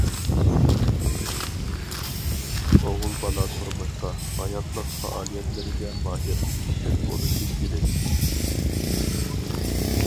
ئوغۇل بالا تۇرمۇشقا، ھاياتلىق پائالىيەتلىرىگە ماھىر، پىششىق بولۇشى كېرەك.